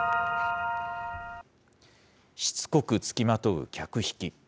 しつこく付きまとう客引き。